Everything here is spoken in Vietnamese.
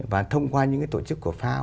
và thông qua những cái tổ chức của fao